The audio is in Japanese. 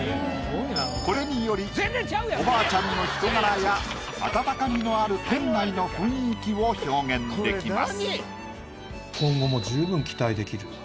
これによりおばあちゃんの人柄や温かみのある店内の雰囲気を表現できます。